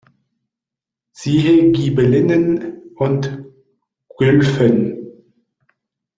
Siehe Ghibellinen und Guelfen